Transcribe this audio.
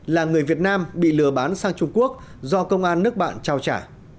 là người việt nam bị lừa bán sang trung quốc do công an nước bạn trao trả